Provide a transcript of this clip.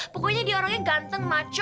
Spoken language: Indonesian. pokoknya dia orangnya ganteng maco